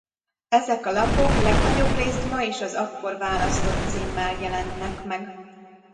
Ezek a lapok legnagyobbrészt ma is az akkor választott címmel jelennek meg.